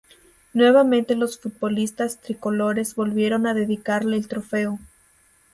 Nuevamente los futbolistas tricolores volvieron a dedicarle el trofeo.